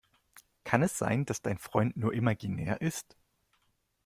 Kann es sein, dass dein Freund nur imaginär ist?